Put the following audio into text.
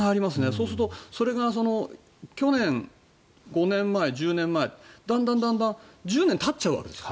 そうすると、去年５年前、１０年前とだんだん１０年たっちゃうわけです。